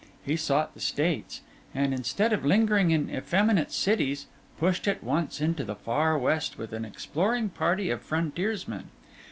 He sought the States; and instead of lingering in effeminate cities, pushed at once into the far West with an exploring party of frontiersmen.